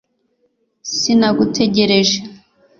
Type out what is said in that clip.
sinagutegereje